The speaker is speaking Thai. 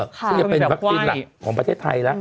ซึ่งจะเป็นแบบไหว้ของประเทศไทยแล้ว